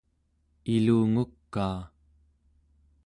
ilungukaa